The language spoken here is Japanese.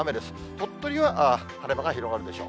鳥取は晴れ間が広がるでしょう。